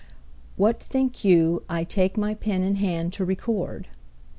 WHAT think you I take my pen in hand to record?